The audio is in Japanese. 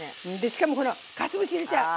しかもこのかつお節入れちゃう。